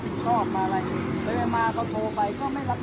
ตอนนี้กำหนังไปคุยของผู้สาวว่ามีคนละตบ